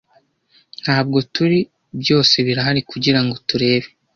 "Ntabwo-turi" byose birahari kugirango turebe